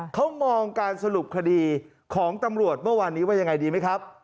เขามองการสรุปคดีของตำรวจเมื่อวานนี้ว่ายังไงดีไหมครับ